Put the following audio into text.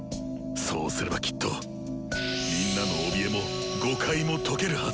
そうすればきっとみんなのおびえも誤解も解けるはず！